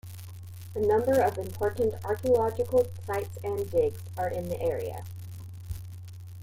A number of important archeological sites and digs are in the area.